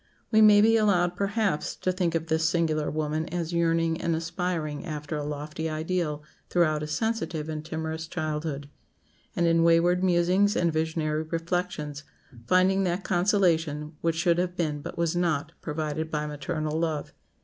We may be allowed, perhaps, to think of this singular woman as yearning and aspiring after a lofty ideal throughout a sensitive and timorous childhood; and in wayward musings and visionary reflections finding that consolation which should have been, but was not, provided by maternal love.